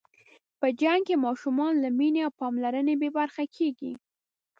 په جنګ کې ماشومان له مینې او پاملرنې بې برخې کېږي.